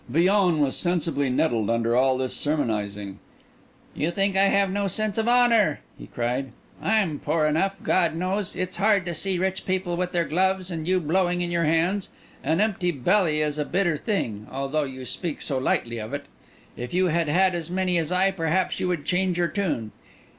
Villon was sensibly nettled under all this sermonising. "You think I have no sense of honour!" he cried. "I'm poor enough, God knows! It's hard to see rich people with their gloves, and you blowing in your hands. An empty belly is a bitter thing, although you speak so lightly of it. If you had had as many as I, perhaps you would change your tune.